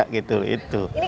ini kita mau ke mana nih pak